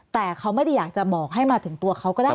แต่เขาไม่ได้อยากจะบอกให้มาถึงตัวเขาก็ได้